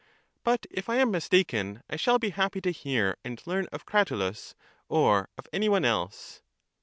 But if I am mistaken I shall be happy to hear and learn of Cratylus, or of any one else.